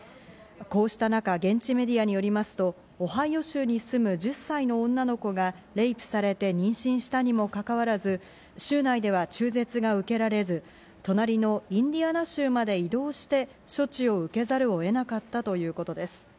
こうした中、現地メディアによりますと、オハイオ州に住む１０歳の女の子が、レイプされて妊娠したにもかかわらず、州内では中絶が受けられず、隣のインディアナ州まで移動して、処置を受けざるを得なかったということです。